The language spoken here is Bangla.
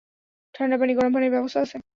ঠাণ্ডা পানি, গরম পানির ব্যবস্থা আছে।